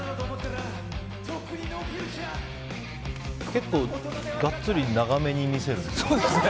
結構、ガッツリ長めに見せるんですね。